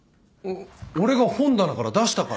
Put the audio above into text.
俺が本棚から出したから。